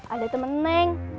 ada temen neng